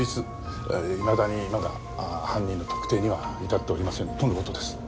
いまだにまだ犯人の特定には至っておりませんとの事です。